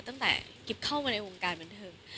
ตั้งแต่กิ๊บเข้ามาในวงการบันเทิง